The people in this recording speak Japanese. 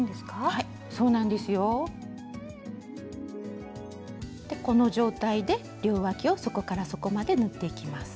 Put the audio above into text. はいそうなんですよ。この状態で両わきを底から底まで縫っていきます。